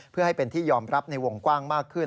เพื่อให้เป็นที่ยอมรับในวงกว้างมากขึ้น